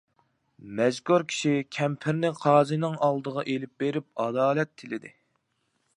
مەزكۇر كىشى كەمپىرنى قازىنىڭ ئالدىغا ئېلىپ بېرىپ ئادالەت تىلىدى.